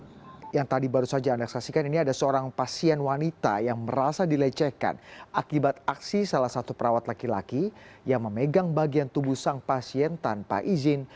nah yang tadi baru saja anda saksikan ini ada seorang pasien wanita yang merasa dilecehkan akibat aksi salah satu perawat laki laki yang memegang bagian tubuh sang pasien tanpa izin